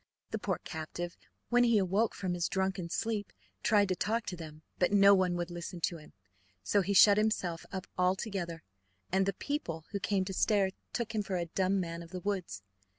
The poor captive, when he awoke from his drunken sleep, tried to talk to them, but no one would listen to him, so he shut himself up altogether, and the people who came to stare took him for a dumb man of the woods.